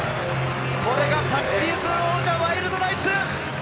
これが昨シーズン王者・ワイルドナイツ！